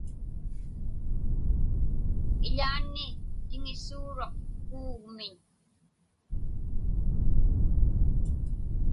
Iḷaanni tiŋisuuruq kuugmiñ.